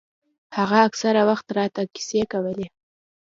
هغه اکثره وخت راته کيسې کولې.